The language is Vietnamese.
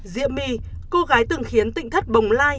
diệm my cô gái từng khiến tịnh thất bồng lai